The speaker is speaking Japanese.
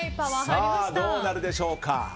どうなるでしょうか。